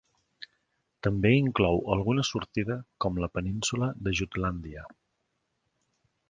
També inclou alguna sortida com la península de Jutlàndia.